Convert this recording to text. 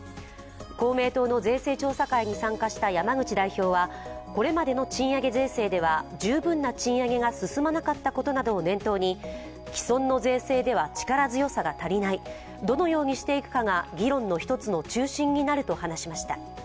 公明党の税制調査会に参加した山口代表はこれまでの賃上げ税制では十分な賃上げが進まなかったことなどを念頭に既存の税制では力強さが足りないどのようにしていくかが議論の一つの中心になると話しました。